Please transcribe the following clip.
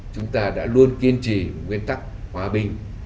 chúng ta đã luôn kiên trì nguyên tắc hòa bình